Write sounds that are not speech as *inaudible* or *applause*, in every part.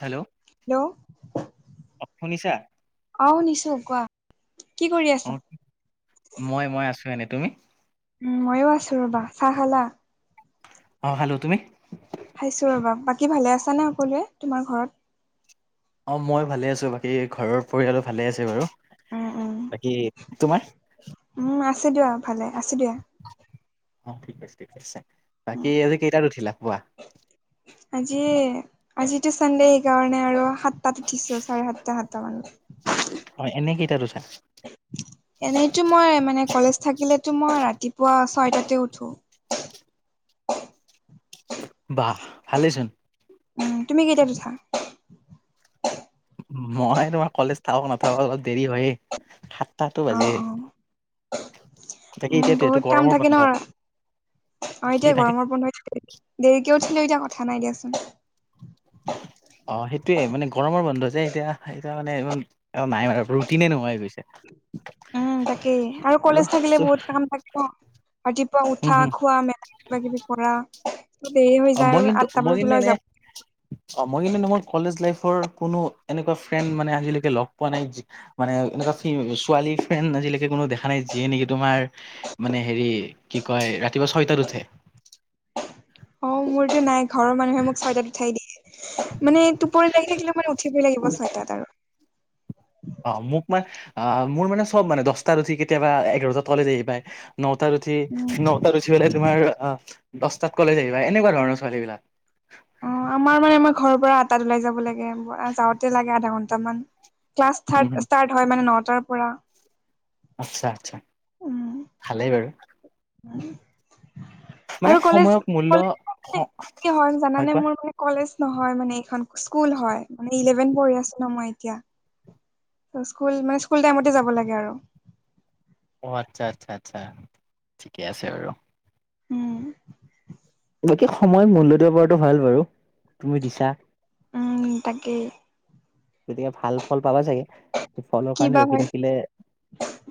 Hello! Hello অ' শুনিছা? অঁ শুনিছো। কোৱা কি কৰি অ আছা? মই মই আছো এনেই। তুমি? উম মইও আছো ৰবা। চাহ খালা? অঁ খালো। তুমি? খাইছোঁ ৰ'বা। বাকী ভালে আছা নে সকলোৱে তোমাৰ ঘৰত? অঁ মই ভালে আছো, বাকী ঘৰৰ পৰিয়ালো ভালে আছে বাৰু। উম উম বাকী তোমাৰ? উম আছে দিয়া ভালে আছো দিয়া অ ঠিক আছে ঠিক আছে। বাকী আজি কেইটাত উঠিলা পুৱা? আজি আজিতো চানডে সেইকাৰণে আৰু সাত টাত উঠিছোঁ চাৰে সাতটা সাতটা মান। হয়, এনে কেইটাত উঠা? এনেইতো মই মানে কলেজ থাকিলেতো মই ৰাতিপুৱা ছয়টাতে উঠো। বাহ ভালে চোন। উম। তুমি কেইতাত উঠা? মই তোমাৰ কলেজ থাকক নাথাক অলপ দেৰি হয়েই সাতটাটো অ বাজেই। অ এইটো বহুত কাম গৰমৰ থাকে ন, বন্ধ অঁ কি এতিয়া থাকে গৰমৰ বন্ধ দেৰিকে উঠিলো এতিয়া কথা নাই দিয়াচোন। অঁ সেইটোৱে, মানে গৰমৰ বন্ধ যে এতিয়া সেইকাৰণে অ নাই বাৰু ৰুটিনে নোহোৱা হৈ গৈছে। উম তাকেই আৰু কলেজ থাকিলে বহুত কাম থাকে ন, ৰাতিপুৱা উম উঠা হুম খোৱা মেলা কিবা কিবি কৰা ত' দেৰি হৈ অ যায় মই আৰু কিন্তু আঠটা মই বজাত ওলাই যাব *inaudible* অ মই কিন্তু মোৰ কলেজ লাইফৰ কোনো এনেকুৱা ফ্ৰেণ্ড মানে আজিলৈকে লগ পোৱা নাই মানে এনেকুৱা ছোৱালী ফ্ৰেণ্ড আজিলৈকে কোনো দেখা নাই যিয়ে নেকি তোমাৰ মানে হেৰি কি কয় ৰাতিপুৱা ছয়টাত উঠে। অ' মোৰটো নাই ঘৰৰ মানুহে মোক ছয় তাত উঠাই দিয়ে। মানে টোপনি লাগি থাকিলেও মানে উঠিবই লাগিব চয়টাত আৰু। অ মোক মানে মোৰ মানে চব মানে দহটাত উঠি কেতিয়াবা একবজাত কলেজ আহি পায়। নটাত উঠি, উম নটা উঠি পেলাই তোমাৰ আ দছটাত কলেজ আহিবা এনেকুৱা ধৰণৰ ছোৱালীবিলাক। অ আমাৰ মানে আমাৰ ঘৰৰ পৰা আঠটাত ওলাই যাব লাগে, *inaudible* যাওঁতে লাগে আধা ঘন্টামান। ক্লাছ উম হুম থাৰ্ড ষ্টাৰ্ট হয় মানে নটাৰ পৰা। আচ্ছা আচ্ছা, উম ভালেই বাৰু। মানে আৰু কলেজ সময়ক মূল্য স কলেজ হয় *inaudible* জানানে মোৰ কলেজ নহয় মানে এইখন স্কুল হয় মানে ইলেভেন পঢ়ি আছো ন মই এতিয়া। ত স্কুল মানে স্কুল টাইমতে যাব লাগে আৰু। অ আচ্ছা আচ্ছা আচ্ছা, ঠিকে আছে বাৰু। উম। বাকী সময় মূল্যত দিব পৰাটো ভাল বাৰু, তুমি দিছা। উম তাকে। গতিকে ভাল ফল পাবা চাগে, এ ফলৰ কাৰণে ৰখি থাকিলে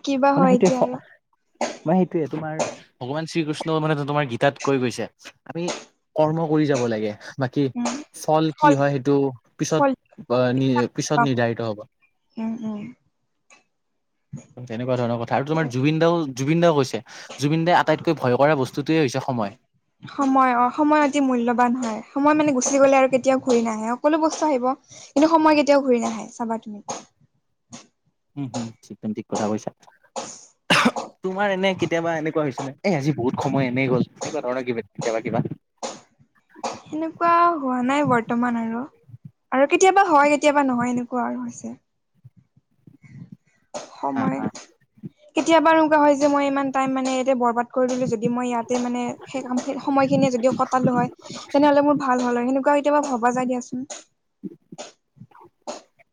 কিবা হয় এতিয়া আৰু। মই সেইটোৱে তোমাৰ ভগৱান শ্ৰীকৃষ্ণ মানে ত তোমাৰ গীতাত কৈ গৈছে আমি কৰ্ম কৰি যাব লাগে, বাকী উম চল কি ফল হয় সেইটো ফল পিছত আ নি পিছত নিৰ্ধাৰিত হ'ব। উম উম তেনেকুৱা ধৰণৰ কথা আৰু তোমাৰ তাকে জুবিন দাও জুবিন দাও কৈছে, জুবিন দা আটাইত কৈ ভয় কৰা বস্তুটোৱেই হৈছে সময়। সময় অ সময় অতি মূল্যবান হয়, সময় মানে গুচি গলে আৰু কেতিয়াও ঘূৰি নাহে, সকলো বস্তু আহিব কিন্তু সময় কেতিয়াও ঘূৰি নাহে, চাবা তুমি। উম হুম, চিক পেন ঠিক কথা কৈছা। অহ, তোমাৰ এনে কেতিয়াবা এনেকুৱা হৈছে নে এই আজি বহুত সময় এনেই গ'ল, এনেকুৱা ধৰণৰ কিবা কেতিয়াবা কিবা? সেনেকুৱা হোৱা নাই বৰ্তমান আৰু। আৰু কেতিয়াবা হয়, কেতিয়াবা নহয় এনেকুৱা আৰু হৈছে। *inaudible* সময় কেতিয়াবা আৰু কিবা হয় যে মই ইমান টাইম মানে ইয়াতে বৰবাদ কৰি দিলোঁ, যদি মই ইয়াতে মানে সেই কামখিনি সময়খিনিয়ে যদিও কটালো হয়, তেনেহলে মোৰ ভাল হল হয় সেনেকুৱা কেতিয়াবা ভবা যায় দিয়াচোন।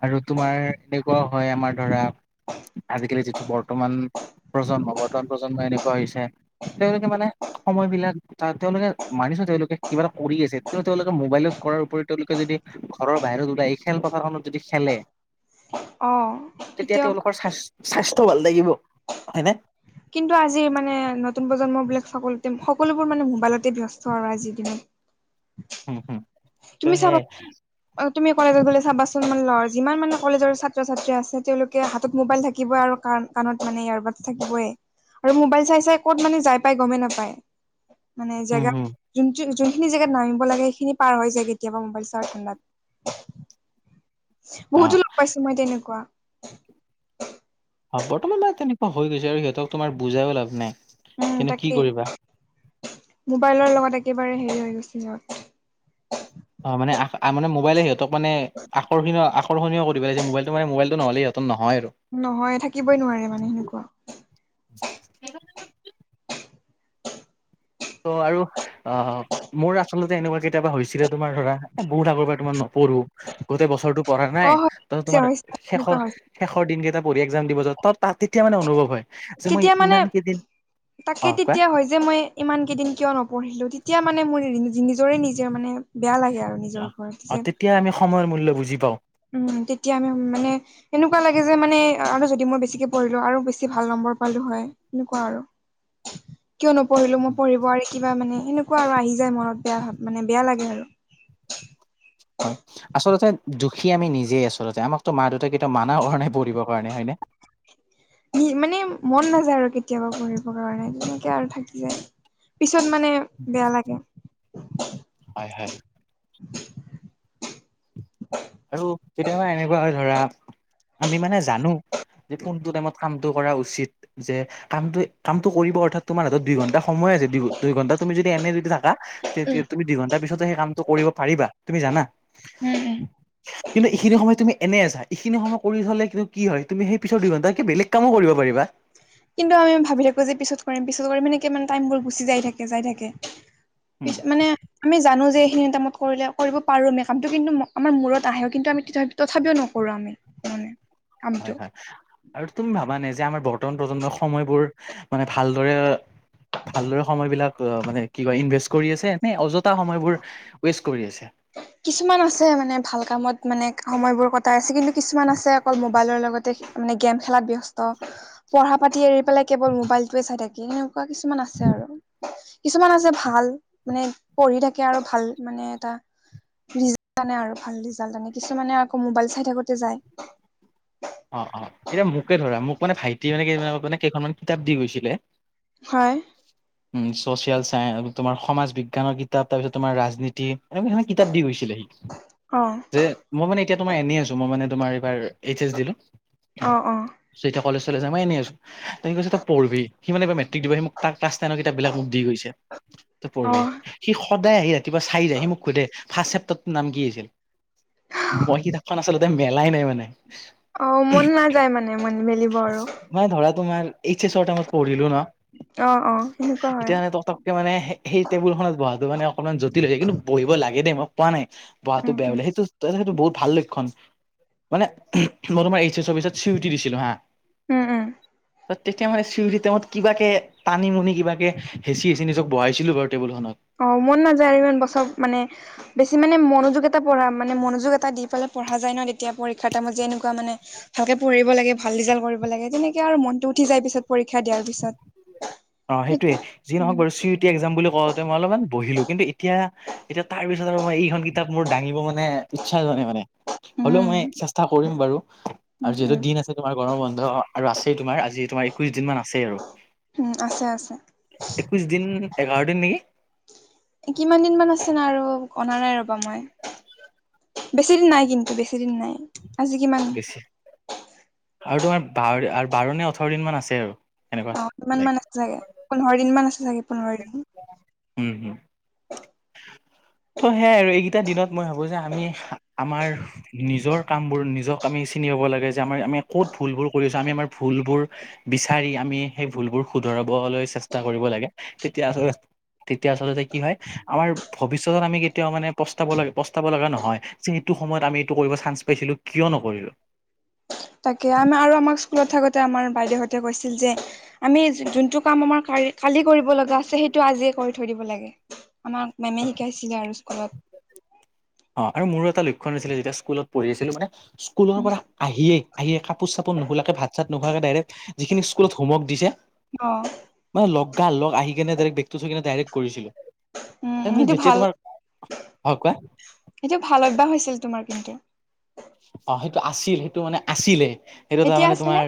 আৰু তোমাৰ এনেকুৱাও হয় আমাৰ ধৰা আজিকালি যিটো বৰ্তমান প্ৰজন্ম, বৰ্তমান প্ৰজন্ম এনেকুৱা হৈছে তেওঁলোকে মানে সময়বিলাক তা তেওঁলোকে মানিছোঁ তেওঁলোকে কিবা এটা কৰি আছে, কিন্তু তেওঁলোকে মোবাইলত কৰাৰ উপৰি তেওঁলোকে যদি ঘৰৰ বাহিৰত ওলাই এই খেলপথাৰখনত যদি খেলে অ তেতিয়া তেওঁলোকৰ স্বাস্থ স্বাস্থ্য ভাল থাকিব, হয়নে? কিন্তু আজিৰ মানে নতুন প্ৰজন্মবিলাক সকলোতে সকলোবোৰ মানে মোবাইলতে ব্যস্ত আৰু আজিৰ দিনত। *inaudible* হম ত' তুমি চাবা উ সেয়াই অ', তুমি কলেজত গলে চাবাচোন মানে ল যিমান মানে কলেজৰ ছাত্ৰ - ছাত্ৰী আছে, তেওঁলোকে হাতত মোবাইল থাকিব আৰু কাণ কাণত মানে ইয়াৰ বাগ থাকিবই। আৰু মোবাইল চাই - চাই ক'ত মানে যাই পাই গমেই নাপায়? মানে উম জেগা হম যোনটো যোনখিনি জেগাত নামিব লাগে, সেইখিনি পাৰ হৈ যায় কেতিয়াবা মোবাইল চাৰ ঠাণ্ডাত। বহুতো লগ পাইছোঁ মই তেনেকুৱা। অ', বৰ্তমান মানে তেনেকুৱা হৈ গৈছে আৰু সিহঁতক তোমাৰ বুজায়ো লাভ নাই। উম কিন্তু কি তাকেই, কৰিবা মোবাইলৰ লগত একেবাৰে হেৰি হৈ গৈছে সিহঁত। অ মানে আ মানে মবাইলে সিহতক মানে আকৰ্ষণীয় আকৰ্ষণীয় কৰি পেলাই যে মোবাইলটো মানে মোবাইলটো নহলে সিহঁত ত নহয় আৰু। নহয়! থাকিবই নোৱাৰে মানে সেনেকুৱা। *unintelligible* ত' আৰু অ', অ' মোৰ আচলতে এনেকুৱা কেতিয়াবা হৈছিলে তোমাৰ ধৰা, বহুত আগৰ পৰা তোমাৰ নপঢ়ো গোটেই বছৰটো পঢ়া অ নাই, ত' হৈছে তোমাৰ হৈছে এনেকুৱা শেষৰ হৈছে শেষৰ দিনকেইটা পঢ়ি একজাম দিব যাওঁ, ত তাত তেতিয়া মানে অনুভৱ হয়। যে মই তেতিয়া মানে ইমান কেইদিন অ' তাকেই কোৱা তেতিয়া হৈ যা যে মই ইমান কেইদিন কিয় নপঢ়িলোঁ? তেতিয়া মানে মোৰ নিজৰে নিজে মানে বেয়া লাগে আৰু নিজৰ অ', ওপৰত যে অ' তেতিয়া আমি সময়ৰ মূল্য বুজি পাওঁ! উম, তেতিয়া আমি মানে এনেকুৱা লাগে যে মানে আৰু যদি মই বেছিকে পঢ়িলো আৰু বেছি ভাল নম্বৰ পালোঁ হয়! এনেকুৱা আৰু। *inaudible* কিয় নপঢ়িলোঁ মই পঢ়িব আৰু কিবা মানে এনেকুৱা আৰু আহি যায় মনত বেয়া ভাব, বেয়া লাগে আৰু। হয়! আচলতে দুখী আমি নিজেই আচলতে, আমাকতো মা দেউতাক কেতিয়াও মানা কৰা নাই পঢ়িবৰ কাৰণে, হয় নে? মানে মন নাযায় আৰু কেতিয়াবা পঢ়িবৰ কাৰণে তেনেকে আৰু থাকি যায়। পিছত মানে বেয়া লাগে। হয়, হয়। আৰু কেতিয়াবা এনেকুৱা হয় ধৰা, আমি মানে জানো যে কোনটো টাইমত কামটো কৰা উচিত যে কামটো, কামটো কৰিব অৰ্থাৎ তোমাৰ হাতত দুই ঘণ্টা সময় আছে! দু দুই ঘণ্টা তুমি যদি এনে যদি থাকা তে তুমি দুঘণ্টাৰ পিছত *inaudible* সেই কামটো কৰিব পাৰিবা, তুমি জানা। উম, উম। কিন্তু এইখিনি সময়ত তুমি এনেই আছা, এইখিনি সময় কৰি থ'লে কিন্তু কি হয়, তুমি সেই পিছৰ দুইঘণ্টাত কিবা বেলেগ কামো কৰিব পাৰিবা। কিন্তু আমি ভাৱি থাকোঁ, যে পিছত কৰিম, পিছত কৰিম, সেনেকে মানে টাইমবোৰ গুছি যায় থাকে, যায় থাকে। উম মানে আমি জানো যে এইখিনি টাইমত কৰিলে কৰিব পাৰো আমি কামটো, কিন্তু আমাৰ মূৰত আহেও কিন্তু আমি তথাপিও নকৰো আমি, হয়। হয় হয়, আৰু তুমি ভাবানে যে আমাৰ বৰ্তমান প্ৰজন্মই সময়বোৰ মানে ভালদৰে ভালদৰে সময় বিলাক মানে কি কয় ইনভেষ্ট কৰি আছে নে অযথা সময়বোৰ ৱেষ্ট কৰি আছে? কিছুমান আছে মানে ভাল কামত মানে সময়বোৰ কটাই আছে, কিন্তু কিছুমান আছে অকল মোবাইলৰ লগত মানে গেম খেলাত ব্যস্ত, পঢ়া পাতি এৰি পেলাই কেৱল মোবাইলটোৱে চাই থাকে। তেনেকুৱা কিছুমান আছে আৰু। কিছুমান আছে ভাল মানে পঢ়ি থাকে আৰু ভাল মানে এটা ৰিজাল্ট আনে আৰু ভাল ৰিজাল্ট আনে কিছুমানে আকৌ মোবাইল চাই থাকোতে যায়। অ অ এতিয়া মোকে ধৰা মোক মানে ভাইটি কেইদিন মান আগত মানে কেইখনমান কিতাপ দি গৈছিলে হয়। *inaudible* উম ছচিয়েল চায়েন্স তোমাৰ সমাজ বিজ্ঞানৰ কিতাপ তাৰপিছত তোমাৰ ৰাজনীতি, এনেকুৱা ধৰণৰ কিতাপ দি গৈছিলে সি। *inaudible* অঁ। যে মই মানে এতিয়া তোমাৰ এনেই আছো, মই মানে তোমাৰ এইবাৰ এইচ এছ অঁ অঁ। যেতিয়া কলেজ লৈ জাই মই এনেই আছো। তই কৈছে পৰ্ভি সি মানে এইবাৰ মেট্ৰিক দিব সি মোক তাৰ ক্লাছ টেনৰ কিতাপ বিলাক মোক দি গৈছে। অ পঢ়ি সি সদায় আহি ৰাতিপুৱা চাই যায় সি মোক সুধে ফাৰ্ষ্ট চেপটৰ টোৰ নাম কি আছিল। মই কিতাপ খন আচলতে মেলাই নাই মানে অঁ! মন নাযায় মানে মন মেলিব আৰু মই ধৰা তোমাৰ এইচ চ ৰ টাইম ত পঢ়িলো ন। অঁ অঁ তেনেকুৱা এতিয়া হয়। মানে তটককে মানে সেই টেবুলখনত বহাতো মানে অকণমান জটিল হয় কিন্তু বহিব লাগে দেই মই কোৱা নাই বহাটো উম বেয়া উম বোলে সেইটো সেইটো বহুত ভাল লক্ষণ মানে মই তোমাৰ এইচ এছ অফিচত চিওৰিতী দিছিলোঁ হা উমঁ উমঁ! তেতিয়া মানে চিঞৰি টাইমত কিবাকে টানি মুুনি কিবাকে হেঁচি হেঁচি নিজক বহাইছিলো বাৰু টেবুলখনত। অঁ! মন নাযায় আৰু ইমান বছৰ মানে বেছি মানে মনোযোগ এটা পঢ়া মানে মনোযোগ এটা দি পেলাই পঢ়া যায় ন তেতিয়া পৰীক্ষাৰ যে টাইম ত যে এনেকুৱা মানে ভালকে পঢ়িব লাগে ভাল ৰিজাল্ট কৰিব লাগে তেনেকে আৰু মনতটো উঠি যায় পিছত পৰীক্ষা দিয়াৰ পিছত অঁ! সেইটোৱে যি উম নহওক বাৰু চি ইটি এক্জাম বুলি কওঁতে মই অলপমান বহিলো কিন্তু এতিয়া এতিয়া তাৰ পিছত আৰু মই এইখন কিতাপ মোৰ দাঙিব মানে ইচ্ছা যোৱা নাই মানে। হ'লেও উম মই চেষ্টা কৰিম বাৰু। উম আৰু উম যিহেতু দিন আছে তোমাৰ গৰম বন্ধ আৰু আছেই তোমাৰ আজি তোমাৰ একৈশ দিন মান আছেই আৰু। উমঁ! আছে আছে। একৈশ দিন এঘাৰ দিন নেকি? কিমান দিন মানে আছে ন আৰু অনা নাই ৰ'বা মই। বেছি দিন নাই কিন্তু বেছি দিন নাই আজি কিমান গেছি আৰু তোমাৰ বাৰ নে ওঠৰ দিন মান আছে আৰু এনেকুৱা অঁ কিমান লাইক মান আছে চাগে পোন্ধৰ দিন মান আছে চাগে পোন্ধৰ দিন। উমঁ উমঁ। ত' সেয়াই আৰু এইকেইটা দিনত মই ভাবো যে আমি আমাৰ নিজৰ কাম বোৰ নিজক আমি চিনিয়াব লাগে যে আমাৰ আমি ক'ত ভুলবোৰ কৰিছো আমি আমাৰ ভুলবোৰ বিচাৰি আমি সেই ভুলবোৰ শুধৰাবলৈ চেষ্টা কৰিব লাগে তেতিয়া ধৰ তেতিয়া আচলতে কি হয়। আমাৰ ভৱিষ্যতত আমি কেতিয়াও মানে প্ৰস্তাব প্ৰস্তাব লগা নহয় যে এইটো সময়ত আমি এইটো কৰিব চান্স পাইছিলোঁ। কিয় নকৰিলোঁ তাকে আমি আমাক স্কুলত থাকোতে আমাৰ বাইদেউহতে কৈছিল যে আমি যোনটো কাম আমাৰ কালি কৰিব লগা আছে সেইটো আজিয়ে কৰি থৈ দিব লাগে। আমাক মেমে শিকাইছিলে আৰু স্কুলত অঁ আৰু মোৰো এটা লক্ষণ আছিলে যেতিয়া স্কুলত পঢ়ি আছিলো মানে স্কুলৰ পৰা আহিয়েই আহিয়ে কাপোৰ চাপোৰ নোখলাকে ভাত চাত নোখোৱাকে ডাইৰেক্ট যিখিনি স্কুলত হোমৱৰ্ক দিছে অ মানে লগা লগ আহি কিনে বেগ টো থৈ কিনে ডাইৰেক্ট উম কৰিছিলো। সেইটো যেতিয়া ভাল তোমাৰ হয় কোৱা সেইটো ভাল অভ্যাস হৈছিল তোমাৰ কিন্তু অঁ! সেইটো আছিল সেইটো মানে আছিলে সেইটো তাৰ এতিয়া মানে আছেনে? তোমাৰ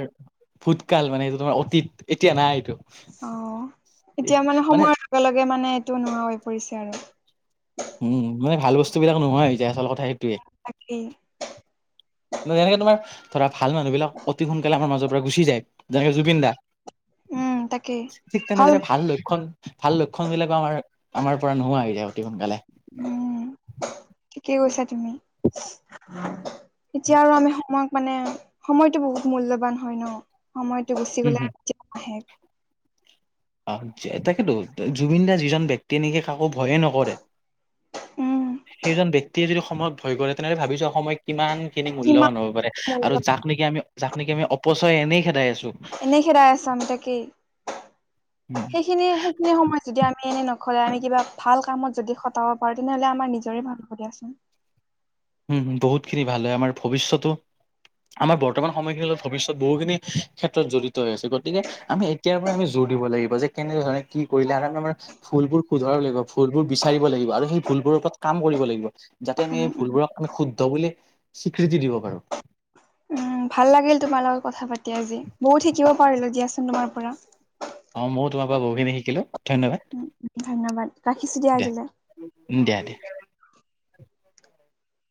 ভূতকাল মানে এইটো তোমাৰ অতীত এতিয়া নাই এইটো অ এতিয়া মানে সময়ৰ লগে লগে মানে এইটো নোহোৱা হৈ পৰিছে আৰু উমঁ! মই ভাল বস্তুবিলাক নোহোৱা আচল কথা সেইটোৱে তাকে! *unintelligible* এনেকে তোমাৰ, ধৰা ভাল মানুহ বিলাক অতি সোনকালে, আমাৰ মাজৰ পৰা গুচি যায়! যেনেকে, জুবিন দা! উম তাকেই ঠিক তেনেদৰে, ভাল লক্ষণ ভাল লক্ষণ বিলাকো আমাৰ, আমাৰ পৰা নোহোৱা হৈ যাব, অতি সোনকালে। উম, ঠিকে কৈছা তুমি! এতিয়া আৰু আমি সময় মানে, সময়টো বহুত মূল্যবান হয় ন'! সময়টো গুচি উম গ'লে হুম। কেতিয়াও নাহে। অ'! আচ্ছা, তাকেতো! জুবিন দা যিজন ব্য তেনেকে, কাকো ভয়ে নকৰে! উম। সেইজন ব্যক্তি। এতিয়া, যদি সময়ত ভয় কৰে! তেনেহ'লে ভাবিছোঁ! সময় কিমানখিনি মূল্যবান কিমান হ'ব পাৰে আৰু মূল্য যাক নেকি আমি যাক নেকি আমি, অপচয় এনেই খেদাই আছোঁ। এনেই খেদাই আছা। তাকেই! সেইখিনি, সেই সেইখিনি সময়ত, যদি আমি, এনে নখটাই, আমি কিবা ভাল কামত যদি খটাব পাৰোঁ, তেনেহ'লে আমাৰ নিজৰে ভাল হ'ব দিয়াচোন! উম, উম, বহুতখিনি ভাল হয়! আমাৰ ভৱিষ্যতো। আমাৰ বৰ্তমান সময়খিনিলৈ, ভৱিষ্যত বহুখিনি ক্ষেত্ৰত জড়িত হৈ আছে। গতিকে, আমি, এতিয়াৰ পৰাই আমি জোৰ দিব লাগিব। যে, কেনে ধৰণে, কি কৰিলে, আৰু আমাৰ ভুলবোৰ শুধৰাব লাগিব, ভুলবোৰ বিচাৰিব লাগিব আৰু সেই ভুলবোৰৰ ওপৰত, কাম কৰিব লাগিব। যাতে উম আমি, উম ভুলবোৰক, আমি শুদ্ধ বুলি স্বীকৃতি দিব পাৰোঁ। উম ভাল লাগিল তোমাৰ লগত কথা পাতি আজি! বহুত শিকিব পাৰিলোঁ, দিয়াচোন তোমাৰ পৰা। অ'! মইয়ো তোমাৰ পৰা, বহুখিনি শিকিলোঁ, ধন্যবাদ! উম ধন্যবাদ ৰাখিছো দিয়া। আজিলৈ উম! অ দিয়া, দিয়া।